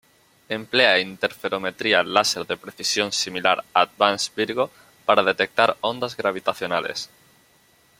Emplea interferometría láser de precisión similar a Advanced Virgo para detectar ondas gravitacionales.